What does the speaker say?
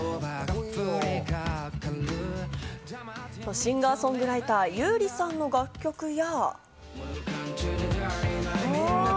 シンガー・ソングライター、優里さんの楽曲や。